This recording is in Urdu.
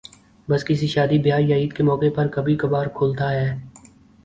بس کسی شادی بیاہ یا عید کے موقع پر کبھی کبھارکھلتا ہے ۔